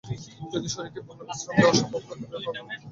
যদি শরীরকে পূর্ণ বিশ্রাম দেওয়া সম্ভব হয়, তবে উহা এইরূপেই হইতে পারে।